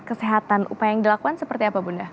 kesehatan upaya yang dilakukan seperti apa bunda